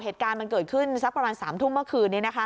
เหตุการณ์มันเกิดขึ้นสักประมาณ๓ทุ่มเมื่อคืนนี้นะคะ